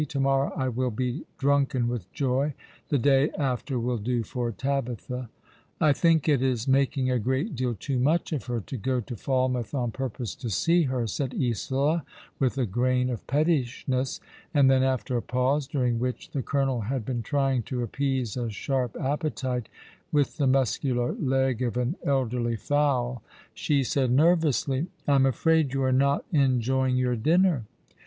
To morrow I will be drunken with joj. The day after will do for Tabitha." " I think it is making a great deal too much of her to go to Falmouth on purpose to see her," said Isola, with a grain of pettishness ; and then, after a pause, during which the colonel had been trying to appease a sharp appetite with the muscular leg of an elderly fowl, she said nervously— " I'm afraid you are not enjoying your dinner."